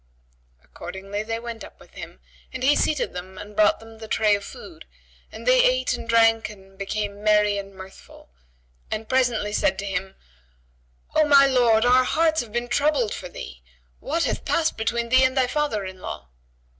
Accordingly they went up with him and he seated them and brought them the tray of food; and they ate and drank and became merry and mirthful, and presently said to him, "O my lord, our hearts have been troubled for thee: what hath passed between thee and thy father in law?"